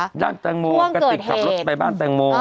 หลังตังโมก็ติดขับรถไปบ้านตังโม